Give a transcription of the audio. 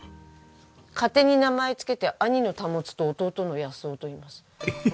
勝手に名前つけて兄のタモツと弟のヤスオといいます。